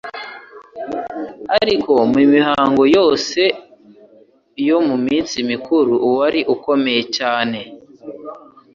Ariko mu mihango yose yo mu minsi mikuru uwari ukomeye cyane